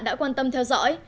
đã quan tâm theo dõi